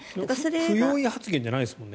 不用意発言じゃないですもんね。